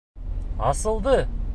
Асылды!